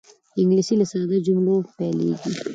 انګلیسي له ساده جملو پیلېږي